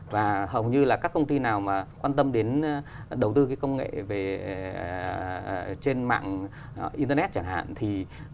và hầu như là các công ty nào mà quan tâm đến đầu tư công nghệ về trên mạng internet chẳng hạn